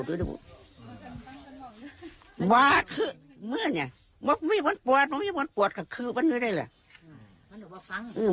ว่าคือเมื่อนี่มันไม่บ่นปวดมันไม่บ่นปวดกับคือมันไม่ได้แหละ